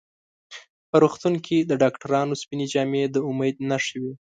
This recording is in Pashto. په روغتون کې د ډاکټرانو سپینې جامې د امید نښه وي.